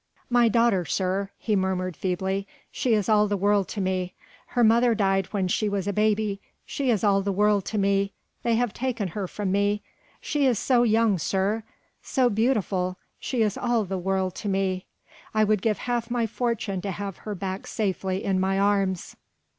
"My daughter, sir ..." he murmured feebly, "she is all the world to me ... her mother died when she was a baby ... she is all the world to me ... they have taken her from me ... she is so young, sir ... so beautiful ... she is all the world to me ... I would give half my fortune to have her back safely in my arms...."